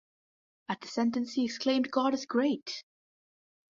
At the sentence, he exclaimed God is great!